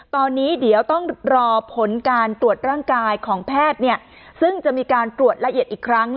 ตอนนี้เดี๋ยวต้องรอผลการตรวจร่างกายของแพทย์ซึ่งจะมีการตรวจละเอียดอีกครั้ง